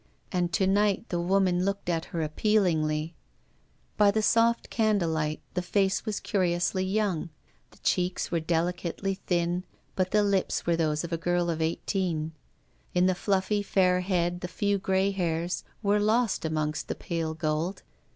And to night the woman looked at her appealingly. By the soft candle light, the face still looked young. The cheeks were delicately thin, but the lips were those of a girl of eighteen ; in the fluffy, fair head, the few grey hairs were lost among the pale gold.